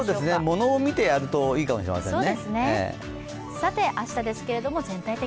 物を見てやるといいかもしれないですね。